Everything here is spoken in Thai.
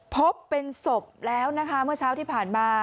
พบเป็นศพแล้วนะคะเมื่อเช้าที่ผ่านมา